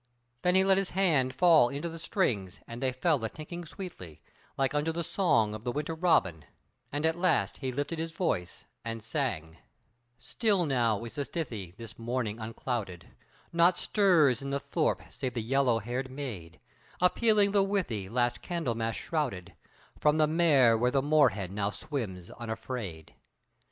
Then he let his hand fall into the strings and they fell a tinkling sweetly, like unto the song of the winter robin, and at last he lifted his voice and sang: Still now is the stithy this morning unclouded, Nought stirs in the thorp save the yellow haired maid A peeling the withy last Candlemas shrouded From the mere where the moorhen now swims unafraid.